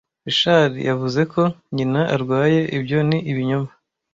Richard yavuze ko nyina arwaye, ibyo ni ibinyoma.